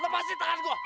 lepasin tangan gua